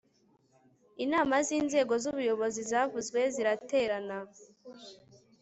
inama z'inzego z'ubuyobozi zavuzwe ziraterana